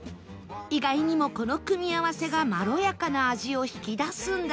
意外にもこの組み合わせがまろやかな味を引き出すんだそう